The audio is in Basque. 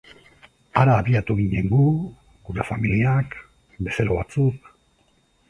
Hara abiatu ginen gu, gure familiak, bezero batzuk...